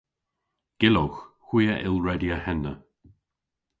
Gyllowgh. Hwi a yll redya henna.